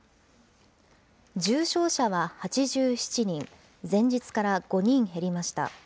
重症者は８７人、前日から５人減りました。